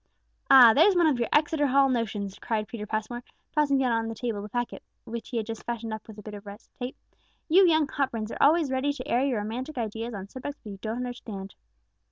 "Ah, there's one of your Exeter Hall notions," cried Peter Passmore, tossing down on the table the packet which he had just fastened up with a bit of red tape; "you young hot brains are always ready to air your romantic ideas on subjects which you don't understand."